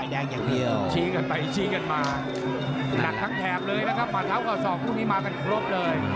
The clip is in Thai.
หนักทั้งแถบเลยนะครับผ่านเท้าเก้าสองคู่นี้มากันครบเลย